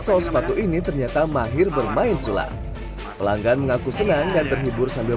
saus sepatu ini ternyata mahir bermain sulap pelanggan mengaku senang dan terhibur sambil